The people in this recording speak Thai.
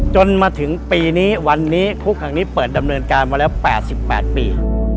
จนมาถึงปีนี้วันนี้คุกแห่งนี้เปิดดำเนินการมาแล้ว๘๘ปี